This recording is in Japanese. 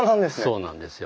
そうなんですよ。